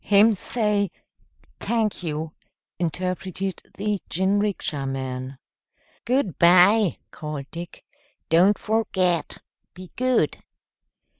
"Him say t'ank you," interpreted the jinrikisha man. "Good by," called Dick. "Don't forget be good!"